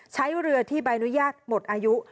ใช้เรือที่ใบอนุญาตหมดอายุ